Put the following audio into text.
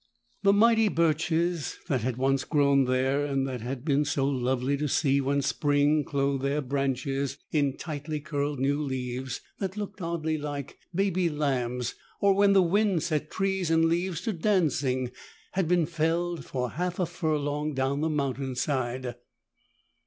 The mighty birches that had once grown there, and that had been so lovely to see when spring clothed their branches in tightly curled new leaves that looked oddly like baby lambs, or when the wind set trees and leaves to dancing, had been felled for half a furlong down the mountainside.